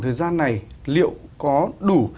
thời gian này liệu có đủ